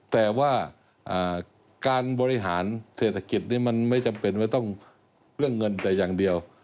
แต่ว่าการบริหารเศรษฐกิจนี้มันไม่จำเป็นว่าต้องเรื่องเงินแต่อย่างเดียว